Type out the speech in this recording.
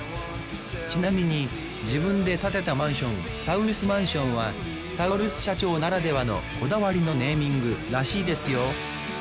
ちなみに自分で建てたマンションサウルスマンションはサウルス社長ならではのこだわりのネーミングらしいですよ